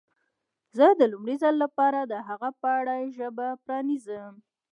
زه د لومړي ځل لپاره د هغه په اړه ژبه پرانیزم.